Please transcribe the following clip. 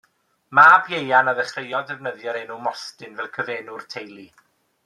Mab Ieuan a ddechreuodd ddefnyddio'r enw Mostyn fel cyfenw'r teulu.